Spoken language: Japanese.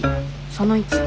その１。